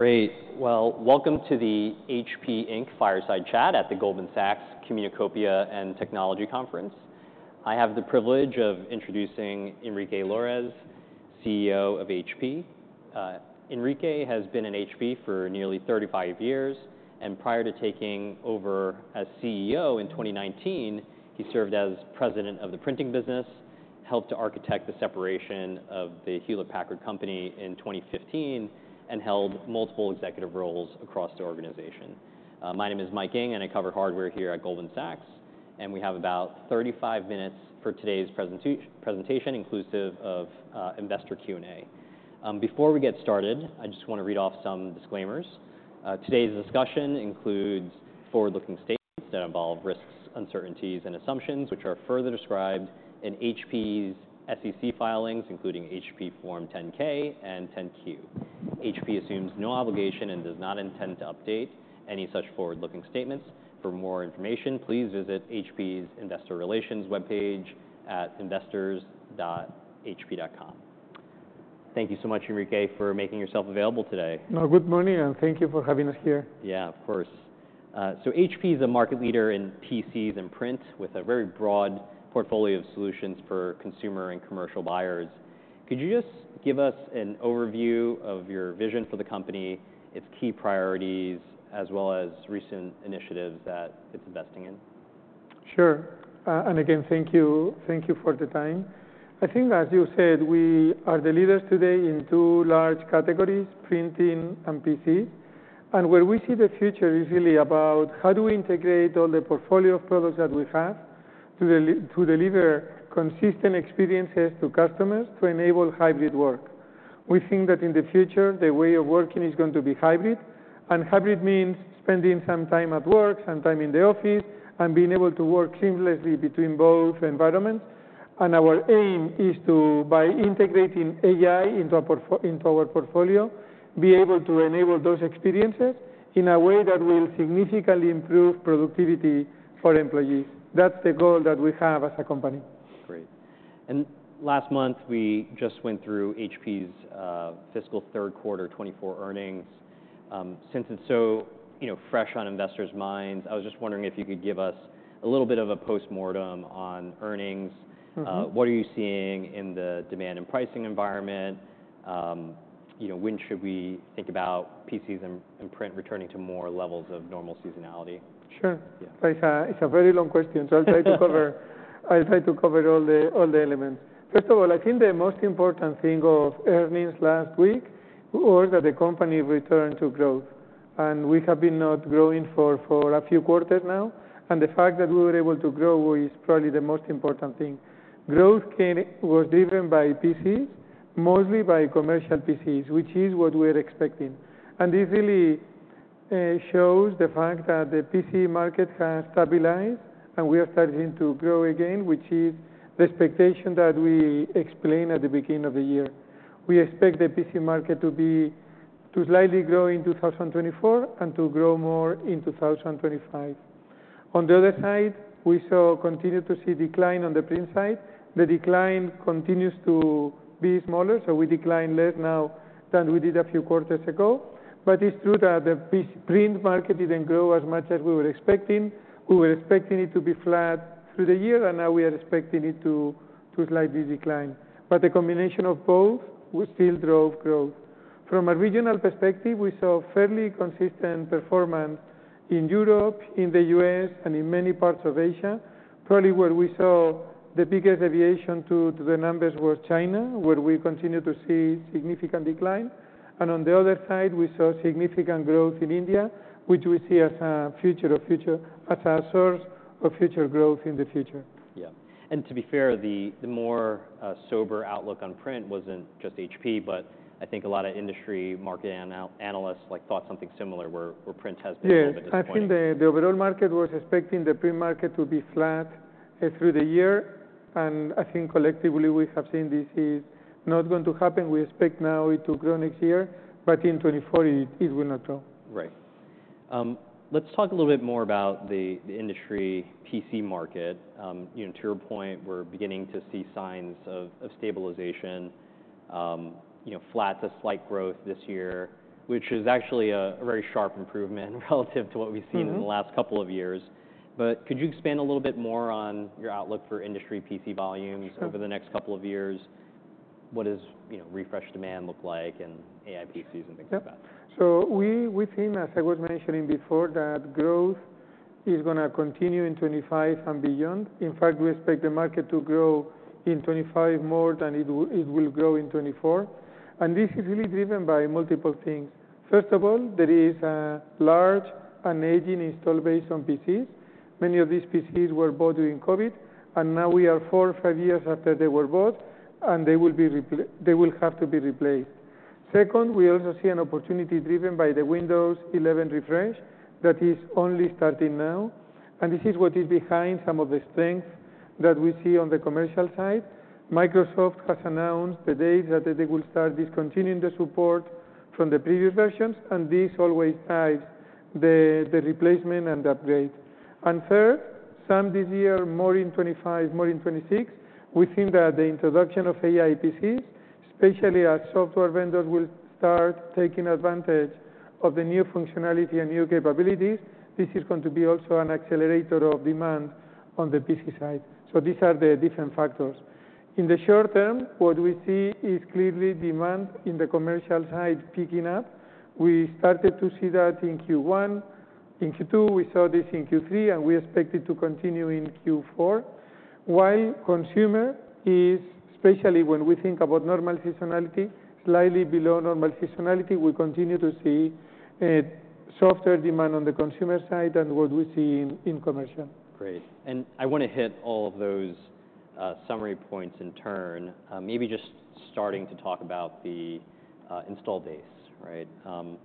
Great! Well, welcome to the HP Inc Fireside Chat at the Goldman Sachs Communacopia and Technology Conference. I have the privilege of introducing Enrique Lores, CEO of HP. Enrique has been in HP for nearly 35 years, and prior to taking over as CEO in 2019, he served as president of the printing business, helped to architect the separation of the Hewlett-Packard Company in 2015, and held multiple executive roles across the organization. My name is Michael Ng, and I cover hardware here at Goldman Sachs, and we have about 35 minutes for today's presentation, inclusive of investor Q&A. Before we get started, I just wanna read off some disclaimers. Today's discussion includes forward-looking statements that involve risks, uncertainties, and assumptions, which are further described in HP's SEC filings, including HP Form 10-K and 10-Q. HP assumes no obligation and does not intend to update any such forward-looking statements. For more information, please visit HP's Investor Relations webpage at investors.hp.com. Thank you so much, Enrique, for making yourself available today. Good morning, and thank you for having us here. Yeah, of course. So HP is a market leader in PCs and print, with a very broad portfolio of solutions for consumer and commercial buyers. Could you just give us an overview of your vision for the company, its key priorities, as well as recent initiatives that it's investing in? Sure. And again, thank you, thank you for the time. I think, as you said, we are the leaders today in two large categories: printing and PC. And where we see the future is really about how do we integrate all the portfolio of products that we have to deliver consistent experiences to customers to enable hybrid work? We think that in the future, the way of working is going to be hybrid, and hybrid means spending some time at work, some time in the office, and being able to work seamlessly between both environments. And our aim is to, by integrating AI into our portfolio, be able to enable those experiences in a way that will significantly improve productivity for employees. That's the goal that we have as a company. Great. And last month, we just went through HP's fiscal third quarter twenty-four earnings. Since it's so, you know, fresh on investors' minds, I was just wondering if you could give us a little bit of a postmortem on earnings? Mm-hmm. What are you seeing in the demand and pricing environment? You know, when should we think about PCs and print returning to more levels of normal seasonality? Sure. Yeah. It's a very long question, so I'll try to cover all the elements. First of all, I think the most important thing of earnings last week was that the company returned to growth, and we have been not growing for a few quarters now, and the fact that we were able to grow is probably the most important thing. Growth was driven by PCs, mostly by commercial PCs, which is what we're expecting. And this really shows the fact that the PC market has stabilized, and we are starting to grow again, which is the expectation that we explained at the beginning of the year. We expect the PC market to slightly grow in 2024, and to grow more in 2025. On the other side, we continue to see decline on the print side. The decline continues to be smaller, so we declined less now than we did a few quarters ago, but it's true that the PC print market didn't grow as much as we were expecting. We were expecting it to be flat through the year, and now we are expecting it to slightly decline, but the combination of both will still drove growth. From a regional perspective, we saw fairly consistent performance in Europe, in the US, and in many parts of Asia. Probably where we saw the biggest deviation to the numbers was China, where we continue to see significant decline, and on the other side, we saw significant growth in India, which we see as a future source of future growth in the future. Yeah, and to be fair, the more sober outlook on print wasn't just HP, but I think a lot of industry market analysts like thought something similar, where print has been- Yeah... a little bit disappointing. I think the overall market was expecting the print market to be flat through the year, and I think collectively we have seen this is not going to happen. We expect now it to grow next year, but in 2024, it will not grow. Right. Let's talk a little bit more about the industry PC market. You know, to your point, we're beginning to see signs of stabilization. You know, flat to slight growth this year, which is actually a very sharp improvement relative to what we've seen- Mm-hmm... in the last couple of years. But could you expand a little bit more on your outlook for industry PC volumes? Sure... over the next couple of years? What does, you know, refresh demand look like, and AI PCs, and things like that? Yep. So we think, as I was mentioning before, that growth is gonna continue in 2025 and beyond. In fact, we expect the market to grow in 2025 more than it will grow in 2024, and this is really driven by multiple things. First of all, there is a large and aging installed base on PCs. Many of these PCs were bought during COVID, and now we are four or five years after they were bought, and they will have to be replaced. Second, we also see an opportunity driven by the Windows 11 refresh that is only starting now, and this is what is behind some of the strength that we see on the commercial side. Microsoft has announced the date that they will start discontinuing the support from the previous versions, and this always drives the replacement and upgrade. And third, some this year, more in 2025, more in 2026, we think that the introduction of AI PCs, especially as software vendors will start taking advantage of the new functionality and new capabilities, this is going to be also an accelerator of demand on the PC side. So these are the different factors. In the short term, what we see is clearly demand in the commercial side picking up. We started to see that in Q1, in Q2, we saw this in Q3, and we expect it to continue in Q4. While consumer is, especially when we think about normal seasonality, slightly below normal seasonality, we continue to see softer demand on the consumer side than what we see in commercial. Great. And I want to hit all of those summary points in turn. Maybe just starting to talk about the install base, right? You know,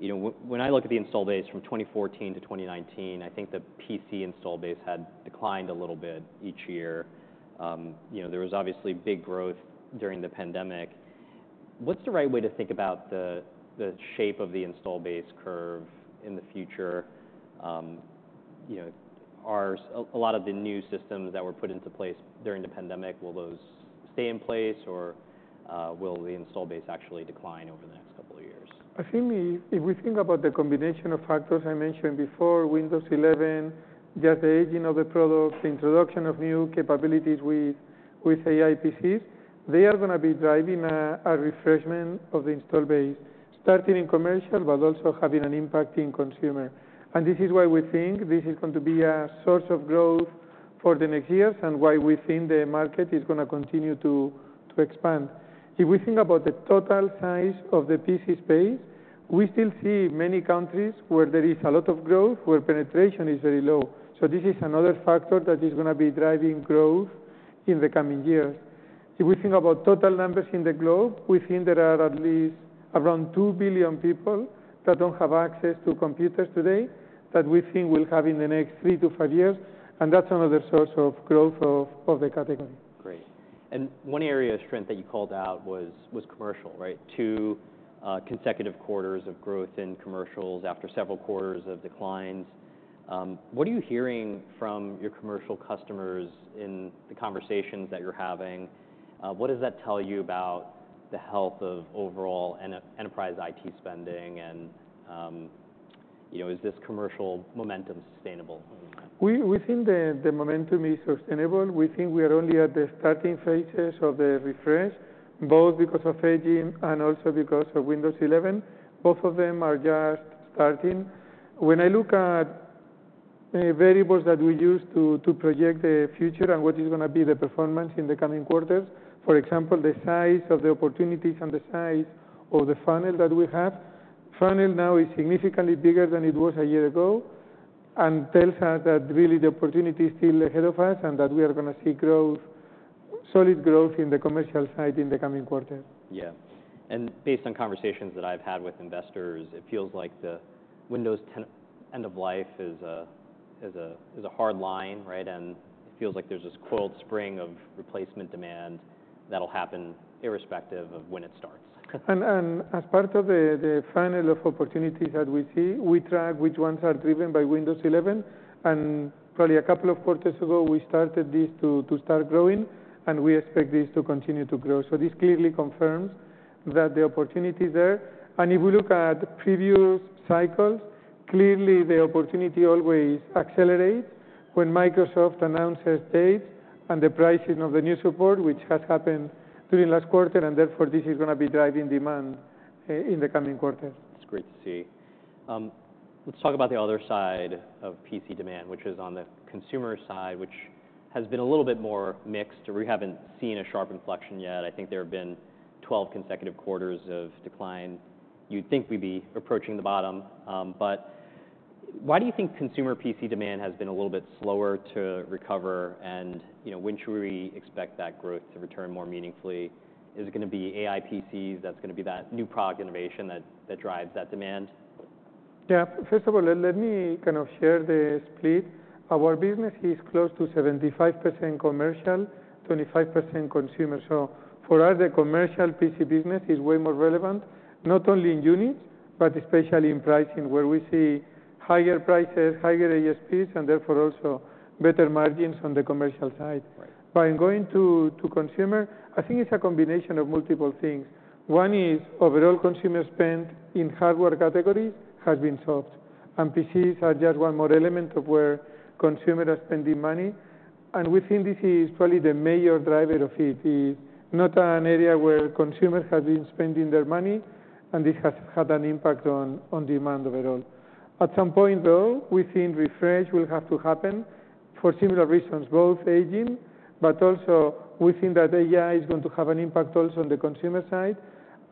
when I look at the install base from twenty fourteen to twenty nineteen, I think the PC install base had declined a little bit each year. You know, there was obviously big growth during the pandemic. What's the right way to think about the shape of the install base curve in the future? You know, are a lot of the new systems that were put into place during the pandemic, will those stay in place, or will the install base actually decline over the next couple of years? I think if we think about the combination of factors I mentioned before, Windows 11, just the aging of the products, the introduction of new capabilities with AI PCs, they are gonna be driving a refresh of the installed base, starting in commercial, but also having an impact in consumer. And this is why we think this is going to be a source of growth for the next years, and why we think the market is gonna continue to expand. If we think about the total size of the PC space, we still see many countries where there is a lot of growth, where penetration is very low. So this is another factor that is gonna be driving growth in the coming years. If we think about total numbers in the globe, we think there are at least around two billion people that don't have access to computers today, that we think will have in the next three to five years, and that's another source of growth of the category. Great. And one area of strength that you called out was commercial, right? Two consecutive quarters of growth in commercial after several quarters of declines. What are you hearing from your commercial customers in the conversations that you're having? What does that tell you about the health of overall enterprise IT spending, and, you know, is this commercial momentum sustainable? We think the momentum is sustainable. We think we are only at the starting phases of the refresh, both because of aging and also because of Windows 11. Both of them are just starting. When I look at variables that we use to project the future and what is gonna be the performance in the coming quarters, for example, the size of the opportunities and the size of the funnel that we have, funnel now is significantly bigger than it was a year ago, and tells us that really the opportunity is still ahead of us, and that we are gonna see growth, solid growth in the commercial side in the coming quarters. Yeah. And based on conversations that I've had with investors, it feels like the Windows 10 end of life is a hard line, right? And it feels like there's this coiled spring of replacement demand that'll happen irrespective of when it starts. As part of the funnel of opportunities that we see, we track which ones are driven by Windows 11, and probably a couple of quarters ago, we started this to start growing, and we expect this to continue to grow. This clearly confirms that the opportunity is there. If we look at previous cycles, clearly the opportunity always accelerates when Microsoft announces dates and the pricing of the new support, which has happened during last quarter, and therefore, this is gonna be driving demand in the coming quarters. That's great to see. Let's talk about the other side of PC demand, which is on the consumer side, which has been a little bit more mixed. We haven't seen a sharp inflection yet. I think there have been 12 consecutive quarters of decline. You'd think we'd be approaching the bottom, but why do you think consumer PC demand has been a little bit slower to recover and, you know, when should we expect that growth to return more meaningfully? Is it gonna be AI PCs that's gonna be that new product innovation that, that drives that demand? Yeah. First of all, let me kind of share the split. Our business is close to 75% commercial, 25% consumer. So for us, the commercial PC business is way more relevant, not only in units, but especially in pricing, where we see higher prices, higher ASPs, and therefore, also better margins on the commercial side. Right. But in going to consumer, I think it's a combination of multiple things. One is overall consumer spend in hardware categories has been soft, and PCs are just one more element of where consumers are spending money, and we think this is probably the major driver of it. It's not an area where consumers have been spending their money, and this has had an impact on demand overall. At some point, though, we think refresh will have to happen for similar reasons, both aging, but also we think that AI is going to have an impact also on the consumer side.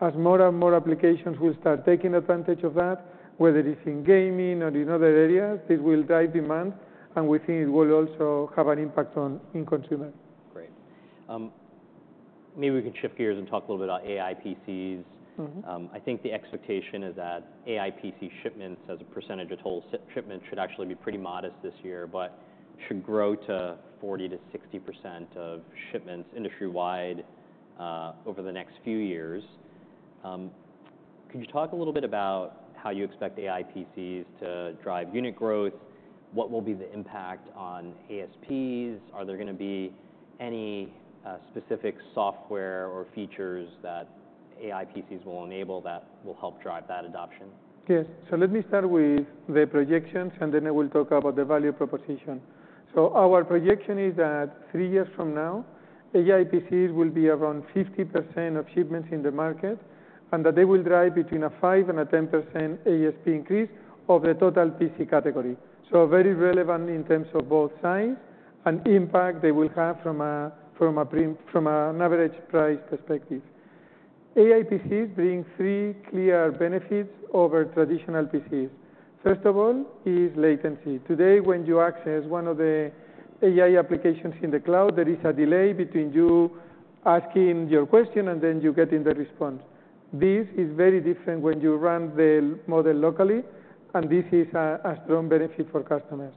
As more and more applications will start taking advantage of that, whether it is in gaming or in other areas, this will drive demand, and we think it will also have an impact on in consumer. Great. Maybe we can shift gears and talk a little bit about AI PCs. Mm-hmm. I think the expectation is that AI PC shipments as a percentage of total shipment should actually be pretty modest this year, but should grow to 40%-60% of shipments industry-wide over the next few years. Could you talk a little bit about how you expect AI PCs to drive unit growth? What will be the impact on ASPs? Are there gonna be any specific software or features that AI PCs will enable that will help drive that adoption? Yes. So let me start with the projections, and then I will talk about the value proposition. So our projection is that three years from now, AI PCs will be around 50% of shipments in the market, and that they will drive between a 5% and 10% ASP increase of the total PC category. So very relevant in terms of both sides, and impact they will have from an average price perspective. AI PCs bring three clear benefits over traditional PCs. First of all is latency. Today, when you access one of the AI applications in the cloud, there is a delay between you asking your question and then you getting the response. This is very different when you run the model locally, and this is a strong benefit for customers.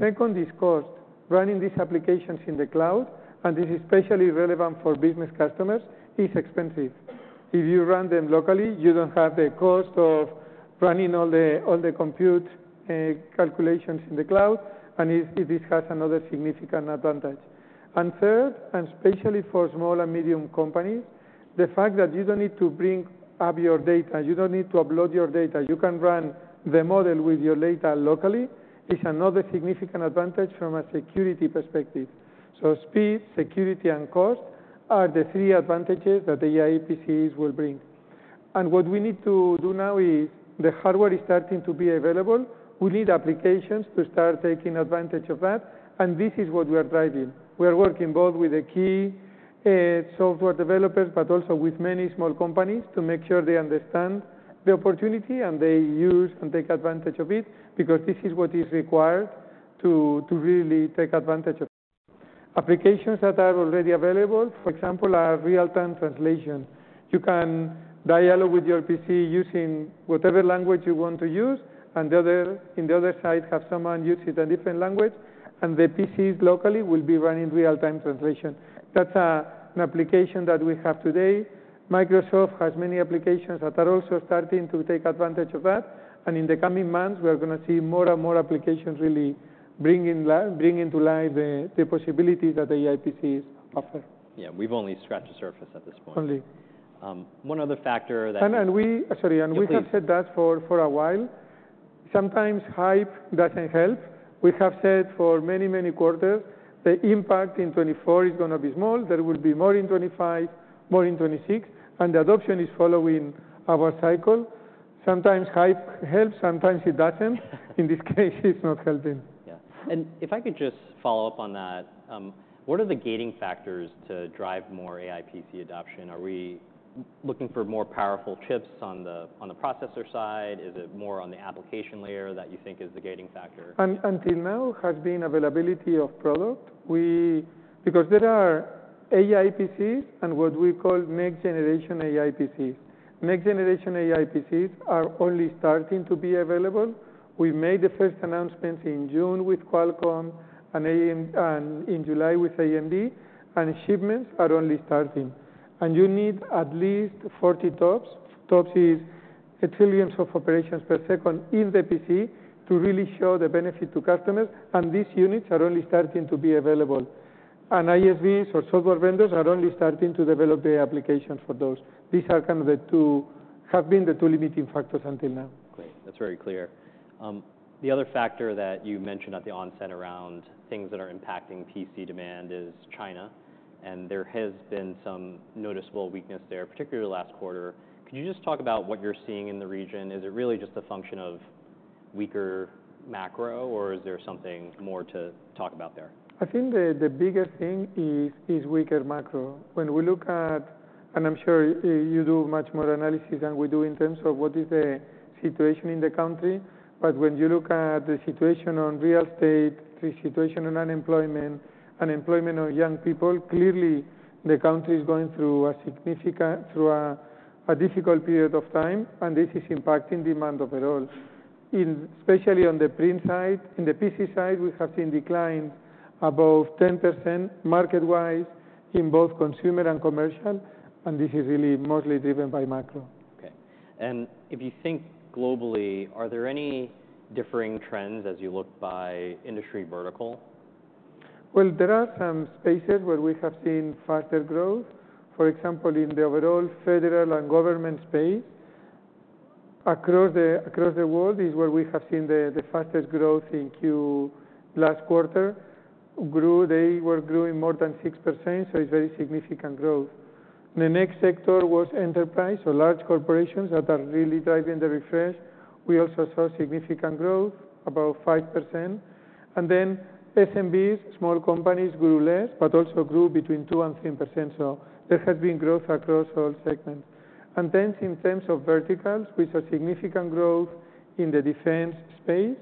Second is cost. Running these applications in the cloud, and this is especially relevant for business customers, is expensive. If you run them locally, you don't have the cost of running all the compute calculations in the cloud, and this has another significant advantage, and third, and especially for small and medium companies, the fact that you don't need to bring up your data, you don't need to upload your data, you can run the model with your data locally, is another significant advantage from a security perspective, so speed, security, and cost are the three advantages that AI PCs will bring, and what we need to do now is, the hardware is starting to be available. We need applications to start taking advantage of that, and this is what we are driving. We are working both with the key software developers, but also with many small companies, to make sure they understand the opportunity and they use and take advantage of it, because this is what is required to really take advantage of it. Applications that are already available, for example, are real-time translation. You can dialogue with your PC using whatever language you want to use, and the other in the other side, have someone using a different language, and the PCs locally will be running real-time translation. That's an application that we have today. Microsoft has many applications that are also starting to take advantage of that, and in the coming months, we are gonna see more and more applications really bringing to life the possibilities that AI PCs offer. Yeah, we've only scratched the surface at this point. Only. One other factor that- Sorry, and we Yeah, please... have said that for a while. Sometimes hype doesn't help. We have said for many, many quarters, the impact in 2024 is gonna be small. There will be more in 2025, more in 2026, and the adoption is following our cycle. Sometimes hype helps, sometimes it doesn't. In this case, it's not helping. Yeah. And if I could just follow up on that, what are the gating factors to drive more AI PC adoption? Are we looking for more powerful chips on the processor side? Is it more on the application layer that you think is the gating factor? Until now, has been availability of product. Because there are AI PCs and what we call next-generation AI PCs. Next-generation AI PCs are only starting to be available. We made the first announcements in June with Qualcomm, and in July with AMD, and shipments are only starting. You need at least forty TOPS. TOPS is trillions of operations per second in the PC to really show the benefit to customers, and these units are only starting to be available. ISVs or software vendors are only starting to develop the applications for those. These are kind of the two limiting factors until now. Great. That's very clear. The other factor that you mentioned at the onset around things that are impacting PC demand is China, and there has been some noticeable weakness there, particularly last quarter. Could you just talk about what you're seeing in the region? Is it really just a function of weaker macro, or is there something more to talk about there? I think the biggest thing is weaker macro. I'm sure you do much more analysis than we do in terms of what is the situation in the country, but when you look at the situation on real estate, the situation on unemployment, unemployment of young people, clearly the country is going through a significant, a difficult period of time, and this is impacting demand overall, especially on the print side. In the PC side, we have seen decline above 10% market-wise in both consumer and commercial, and this is really mostly driven by macro. Okay, and if you think globally, are there any differing trends as you look by industry vertical? There are some spaces where we have seen faster growth. For example, in the overall federal and government space, across the world is where we have seen the fastest growth last quarter. They were growing more than 6%, so it's very significant growth. The next sector was enterprise, so large corporations that are really driving the refresh. We also saw significant growth, about 5%. Then SMBs, small companies, grew less, but also grew between 2% and 3%, so there has been growth across all segments. Then in terms of verticals, we saw significant growth in the defense space,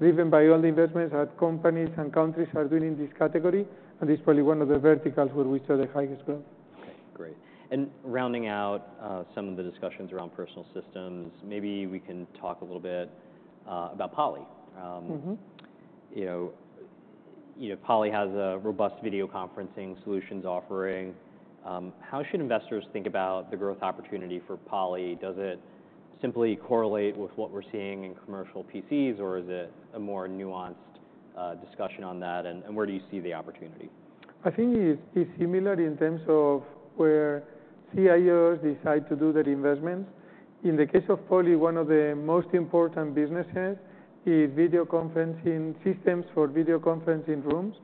driven by all the investments that companies and countries are doing in this category, and it's probably one of the verticals where we saw the highest growth. Okay, great. And rounding out some of the discussions around personal systems, maybe we can talk a little bit about Poly. Mm-hmm. You know, Poly has a robust video conferencing solutions offering. How should investors think about the growth opportunity for Poly? Does it simply correlate with what we're seeing in commercial PCs, or is it a more nuanced discussion on that, and where do you see the opportunity? I think it's, it's similar in terms of where CIOs decide to do their investments. In the case of Poly, one of the most important businesses is video conferencing systems for video conferencing rooms.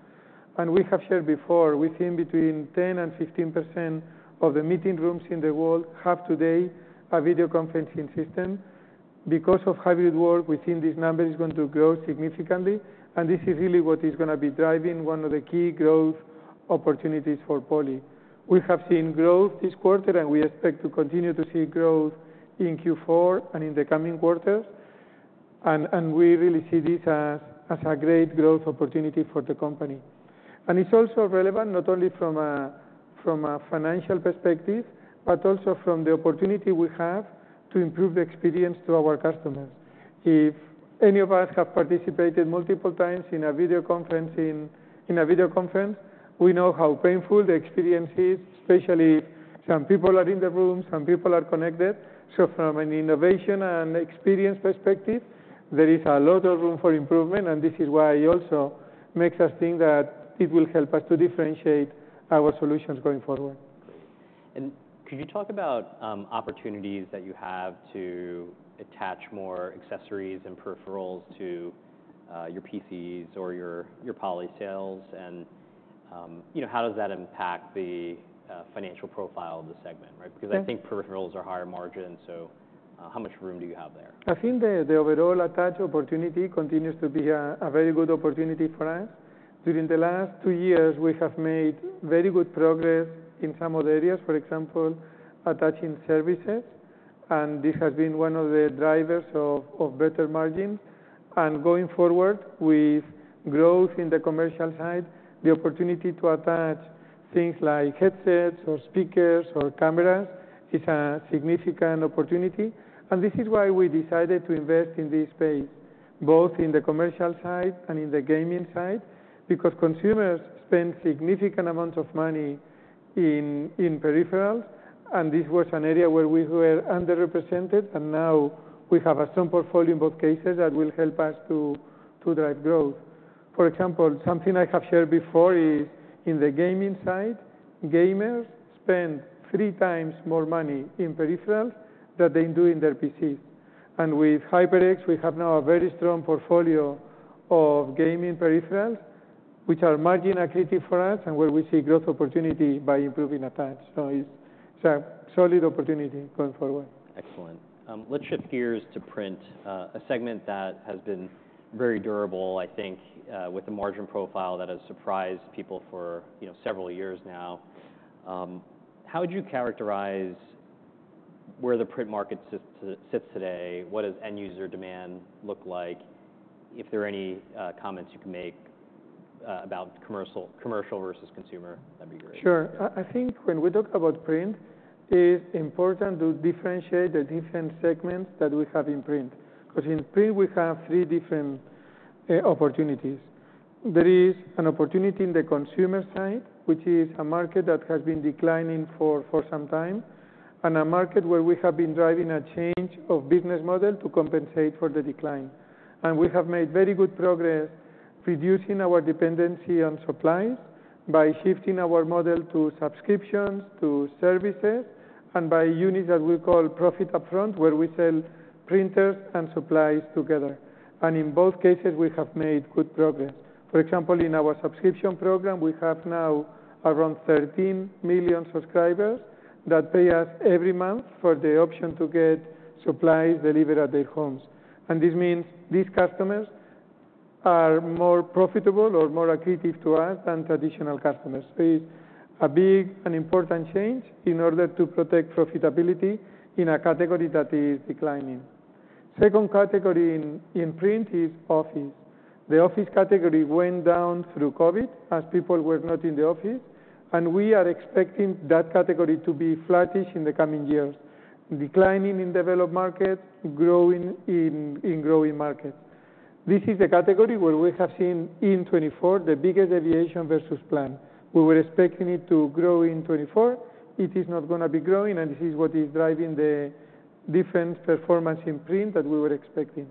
And we have said before, we think between 10% and 15% of the meeting rooms in the world have today, a video conferencing system. Because of hybrid work, we think this number is going to grow significantly, and this is really what is gonna be driving one of the key growth opportunities for Poly. We have seen growth this quarter, and we expect to continue to see growth in Q4 and in the coming quarters. And, and we really see this as, as a great growth opportunity for the company. It's also relevant, not only from a financial perspective, but also from the opportunity we have to improve the experience to our customers. If any of us have participated multiple times in a video conference, we know how painful the experience is, especially some people are in the room, some people are connected. From an innovation and experience perspective, there is a lot of room for improvement, and this is why it also makes us think that it will help us to differentiate our solutions going forward. Great. And could you talk about opportunities that you have to attach more accessories and peripherals to your PCs or your Poly sales? And you know, how does that impact the financial profile of the segment, right? Yeah. Because I think peripherals are higher margin, so, how much room do you have there? I think the overall attach opportunity continues to be a very good opportunity for us. During the last two years, we have made very good progress in some of the areas, for example, attaching services, and this has been one of the drivers of better margins, and going forward, with growth in the commercial side, the opportunity to attach things like headsets or speakers or cameras is a significant opportunity, and this is why we decided to invest in this space, both in the commercial side and in the gaming side, because consumers spend significant amounts of money in peripherals, and this was an area where we were underrepresented, and now we have a strong portfolio in both cases that will help us to drive growth. For example, something I have shared before is, in the gaming side, gamers spend three times more money in peripherals than they do in their PCs, and with HyperX, we have now a very strong portfolio of gaming peripherals, which are margin accretive for us and where we see growth opportunity by improving attach, so it's a solid opportunity going forward. Excellent. Let's shift gears to print, a segment that has been very durable, I think, with the margin profile that has surprised people for, you know, several years now. How would you characterize where the print market sits today? What does end user demand look like? If there are any comments you can make about commercial versus consumer, that'd be great. Sure. I think when we talk about print, it's important to differentiate the different segments that we have in print, because in print we have three different opportunities. There is an opportunity in the consumer side, which is a market that has been declining for some time, and a market where we have been driving a change of business model to compensate for the decline, and we have made very good progress reducing our dependency on supplies by shifting our model to subscriptions, to services, and by units that we call Profit Upfront, where we sell printers and supplies together, and in both cases, we have made good progress. For example, in our subscription program, we have now around 13 million subscribers that pay us every month for the option to get supplies delivered at their homes. This means these customers are more profitable or more accretive to us than traditional customers. So it's a big and important change in order to protect profitability in a category that is declining. Second category in print is office. The office category went down through COVID, as people were not in the office, and we are expecting that category to be flattish in the coming years, declining in developed markets, growing in growing markets. This is a category where we have seen in 2024, the biggest deviation versus plan. We were expecting it to grow in 2024. It is not gonna be growing, and this is what is driving the different performance in print than we were expecting.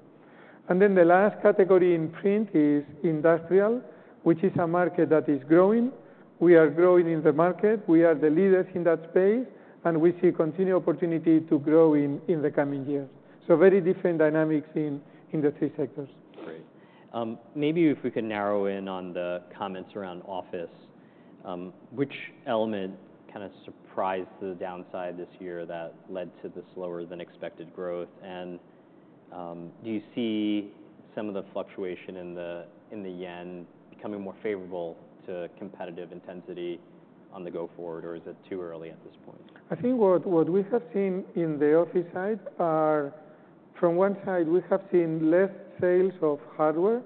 Then the last category in print is industrial, which is a market that is growing. We are growing in the market. We are the leaders in that space, and we see continued opportunity to grow in the coming years, so very different dynamics in the three sectors. Great. Maybe if we can narrow in on the comments around office. Which element kind of surprised the downside this year that led to the slower than expected growth? And do you see some of the fluctuation in the yen becoming more favorable to competitive intensity on the go forward, or is it too early at this point? I think what we have seen in the office side are, from one side, we have seen less sales of hardware,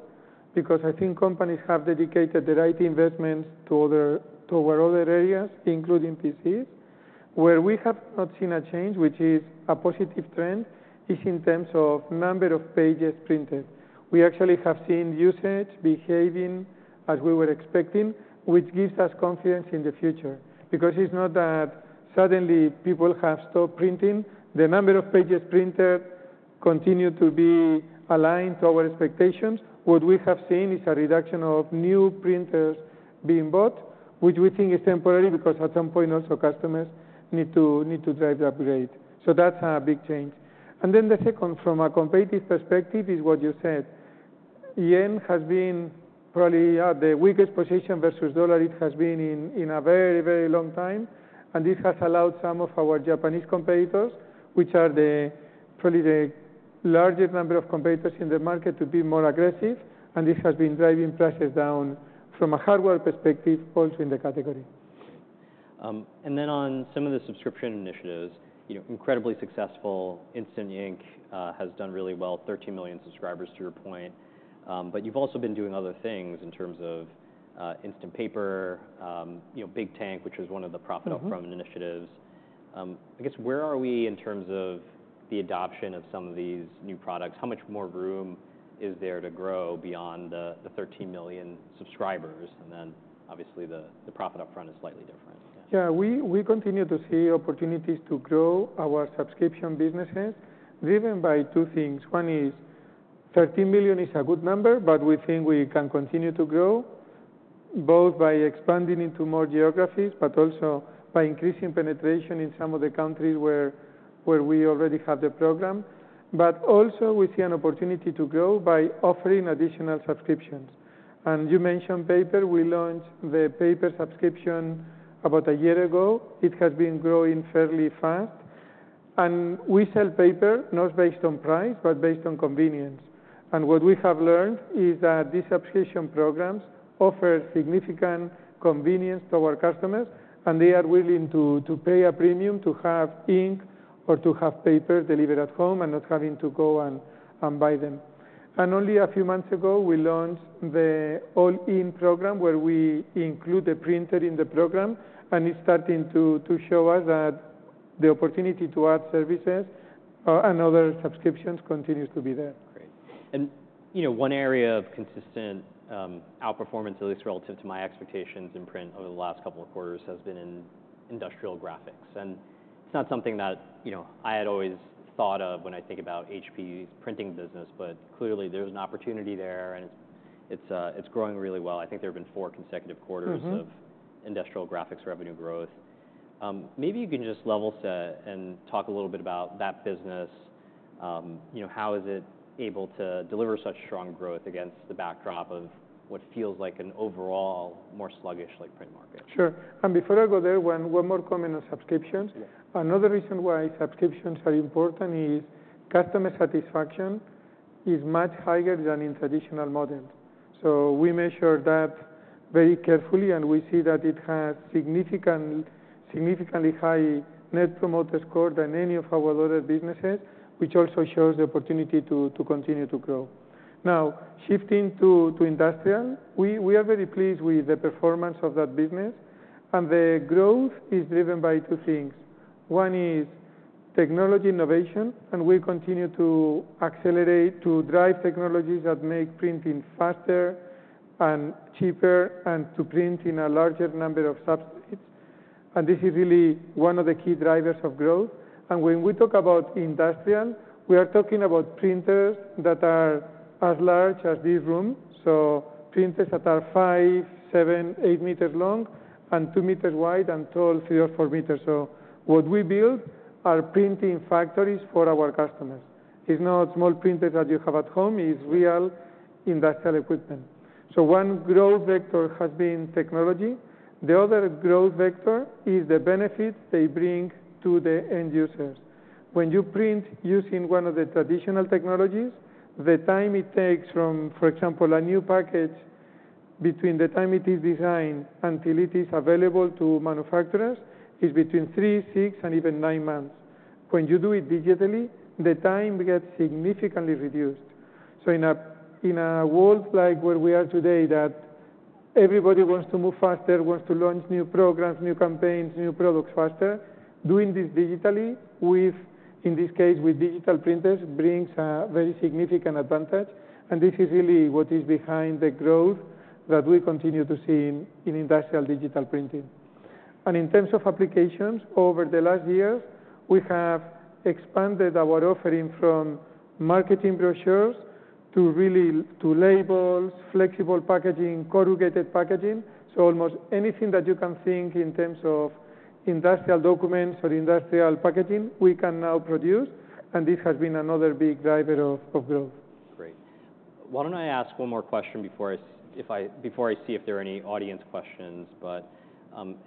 because I think companies have dedicated the right investments to other areas, including PCs, where we have not seen a change, which is a positive trend, is in terms of number of pages printed. We actually have seen usage behaving as we were expecting, which gives us confidence in the future, because it's not that suddenly people have stopped printing. The number of pages printed continue to be aligned to our expectations. What we have seen is a reduction of new printers being bought, which we think is temporary, because at some point also, customers need to drive the upgrade. So that's a big change. And then the second, from a competitive perspective, is what you said. Yen has been probably at the weakest position versus dollar it has been in, in a very, very long time, and this has allowed some of our Japanese competitors, which are the, probably the largest number of competitors in the market, to be more aggressive, and this has been driving prices down from a hardware perspective also in the category. And then on some of the subscription initiatives, you know, incredibly successful. Instant Ink has done really well, 13 million subscribers, to your point. But you've also been doing other things in terms of, Instant Paper, you know, Big Tank, which was one of the- Mm-hmm... profit up front initiatives. I guess, where are we in terms of the adoption of some of these new products? How much more room is there to grow beyond the thirteen million subscribers? And then obviously, the profit up front is slightly different. Yeah, we continue to see opportunities to grow our subscription businesses, driven by two things. One is 13 million is a good number, but we think we can continue to grow, both by expanding into more geographies, but also by increasing penetration in some of the countries where we already have the program. But also, we see an opportunity to grow by offering additional subscriptions. And you mentioned paper. We launched the paper subscription about a year ago. It has been growing fairly fast. And we sell paper not based on price, but based on convenience. And what we have learned is that these subscription programs offer significant convenience to our customers, and they are willing to pay a premium to have ink or to have paper delivered at home, and not having to go and buy them. Only a few months ago, we launched the All-In program, where we include the printer in the program, and it's starting to show us that the opportunity to add services and other subscriptions continues to be there. Great. And, you know, one area of consistent outperformance, at least relative to my expectations in print over the last couple of quarters, has been in industrial graphics. And it's not something that, you know, I had always thought of when I think about HP's printing business, but clearly there's an opportunity there, and it's growing really well. I think there have been four consecutive quarters- Mm-hmm... of industrial graphics revenue growth. Maybe you can just level set and talk a little bit about that business. You know, how is it able to deliver such strong growth against the backdrop of what feels like an overall more sluggish, like, print market? Sure, and before I go there, one more comment on subscriptions. Yeah. Another reason why subscriptions are important is customer satisfaction is much higher than in traditional models, so we measure that very carefully, and we see that it has significantly high Net Promoter Score than any of our other businesses, which also shows the opportunity to continue to grow. Now, shifting to industrial, we are very pleased with the performance of that business, and the growth is driven by two things. One is technology innovation, and we continue to accelerate, to drive technologies that make printing faster and cheaper, and to print in a larger number of substrates, and this is really one of the key drivers of growth, and when we talk about industrial, we are talking about printers that are as large as this room, so printers that are five, seven, eight meters long and two meters wide and tall, three or four meters. What we build are printing factories for our customers. It's not small printers that you have at home. It's real industrial equipment. One growth vector has been technology. The other growth vector is the benefit they bring to the end users. When you print using one of the traditional technologies, the time it takes from, for example, a new package, between the time it is designed until it is available to manufacturers, is between three, six, and even nine months. When you do it digitally, the time gets significantly reduced. In a world like where we are today, that everybody wants to move faster, wants to launch new programs, new campaigns, new products faster, doing this digitally with, in this case, with digital printers, brings a very significant advantage. This is really what is behind the growth that we continue to see in industrial digital printing. In terms of applications, over the last years, we have expanded our offering from marketing brochures to labels, flexible packaging, corrugated packaging. Almost anything that you can think in terms of industrial documents or industrial packaging, we can now produce, and this has been another big driver of growth. Great. Why don't I ask one more question before I see if there are any audience questions. But,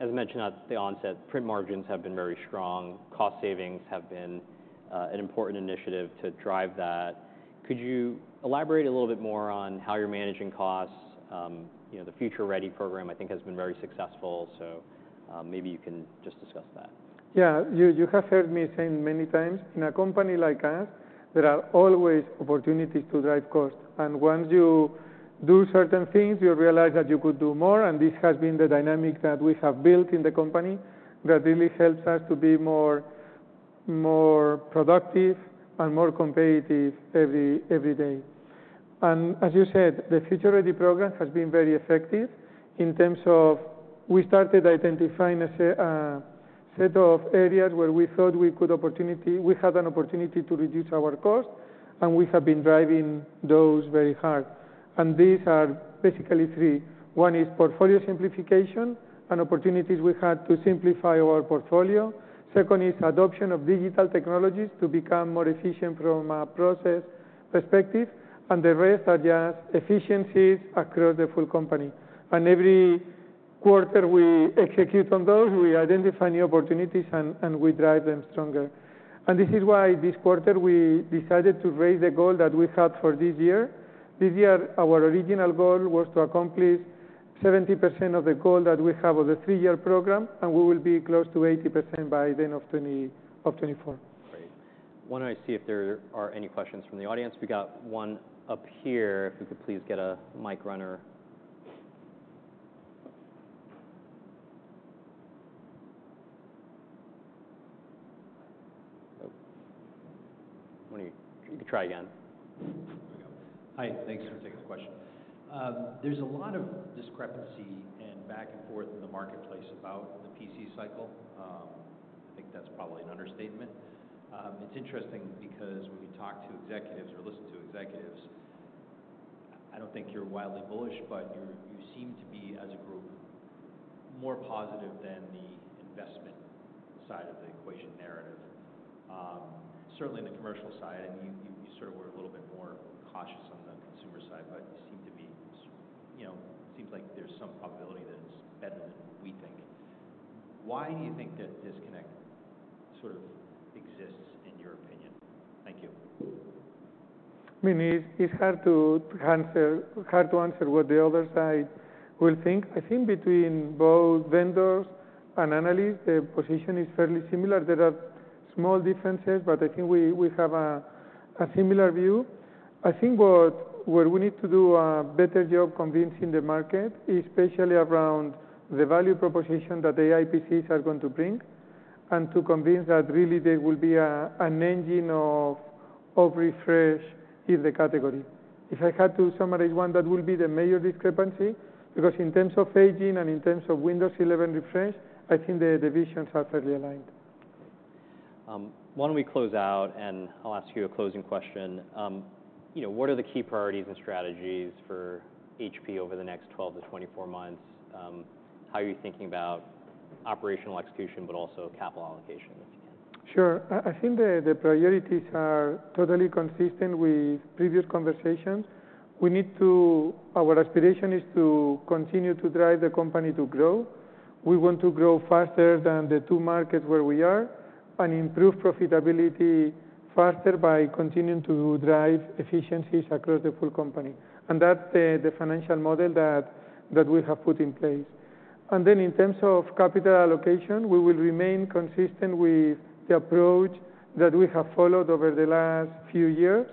as mentioned at the onset, print margins have been very strong. Cost savings have been an important initiative to drive that. Could you elaborate a little bit more on how you're managing costs? You know, the Future Ready program, I think, has been very successful, so, maybe you can just discuss that. Yeah. You have heard me saying many times, in a company like us, there are always opportunities to drive cost. And once you do certain things, you realize that you could do more, and this has been the dynamic that we have built in the company, that really helps us to be more productive and more competitive every day. And as you said, the Future Ready program has been very effective in terms of we started identifying a set of areas where we thought we had an opportunity to reduce our cost, and we have been driving those very hard. And these are basically three. One is portfolio simplification and opportunities we had to simplify our portfolio. Second is adoption of digital technologies to become more efficient from a process perspective, and the rest are just efficiencies across the full company. Every quarter we execute on those, we identify new opportunities and we drive them stronger. This is why this quarter we decided to raise the goal that we had for this year. This year, our original goal was to accomplish 70% of the goal that we have of the three-year program, and we will be close to 80% by the end of 2024. Great. Why don't I see if there are any questions from the audience? We got one up here, if we could please get a mic runner. Oh, why don't you? You can try again. There we go. Hi, thanks. I'll take a question. There's a lot of discrepancy and back and forth in the marketplace about the PC cycle. I think that's probably an understatement. It's interesting because when you talk to executives or listen to executives, I don't think you're wildly bullish, but you're, you seem to be, as a group, more positive than the investment side of the equation narrative. Certainly in the commercial side, and you, you sort of were a little bit more cautious on the consumer side, but you seem to be, you know, it seems like there's some probability that it's better than we think. Why do you think that disconnect sort of exists, in your opinion? Thank you. I mean, it's hard to answer what the other side will think. I think between both vendors and analysts, the position is fairly similar. There are small differences, but I think we have a similar view. I think where we need to do a better job convincing the market, especially around the value proposition that the AI PCs are going to bring, and to convince that really there will be an engine of refresh in the category. If I had to summarize one, that will be the major discrepancy, because in terms of aging and in terms of Windows 11 refresh, I think the visions are fairly aligned. Why don't we close out, and I'll ask you a closing question. You know, what are the key priorities and strategies for HP over the next 12-24 months? How are you thinking about operational execution, but also capital allocation, if you can? Sure. I think the priorities are totally consistent with previous conversations. Our aspiration is to continue to drive the company to grow. We want to grow faster than the two markets where we are, and improve profitability faster by continuing to drive efficiencies across the full company, and that's the financial model that we have put in place. And then in terms of capital allocation, we will remain consistent with the approach that we have followed over the last few years.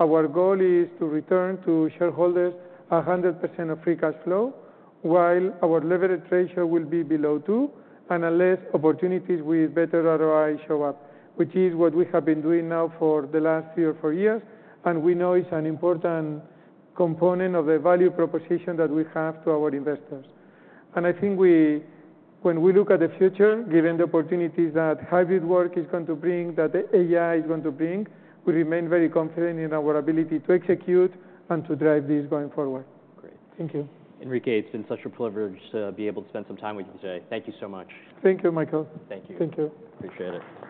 Our goal is to return to shareholders 100% of free cash flow, while our levered ratio will be below two, and unless opportunities with better ROI show up, which is what we have been doing now for the last three or four years, and we know it's an important component of the value proposition that we have to our investors. I think when we look at the future, given the opportunities that hybrid work is going to bring, that the AI is going to bring, we remain very confident in our ability to execute and to drive this going forward. Great. Thank you. Enrique, it's been such a privilege to be able to spend some time with you today. Thank you so much. Thank you, Michael. Thank you. Thank you. Appreciate it.